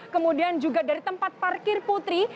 kemudian juga dari tempat parkir putri